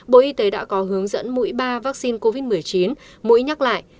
bộ y tế đã có hướng dẫn mũi ba vắc xin covid một mươi chín mũi nhắc lại